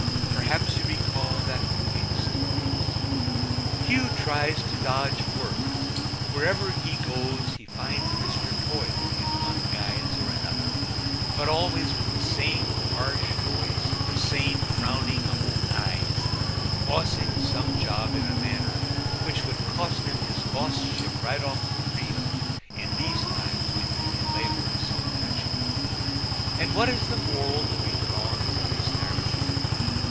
Perhaps you recall that moving story? Hugh tries to dodge work; wherever he goes he finds Mr. Toil in one guise or another but always with the same harsh voice and the same frowning eyes, bossing some job in a manner which would cost him his boss ship right off the reel in these times when union labor is so touchy. And what is the moral to be drawn from this narrative?